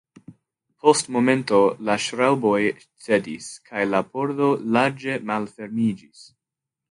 Post momento la ŝraŭboj cedis, kaj la pordo larĝe malfermiĝis.